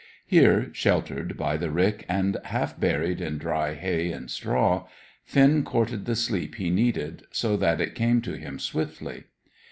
Here, sheltered by the rick and half buried in dry hay and straw, Finn courted the sleep he needed, so that it came to him swiftly.